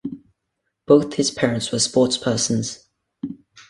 Both his parents were sportspersons.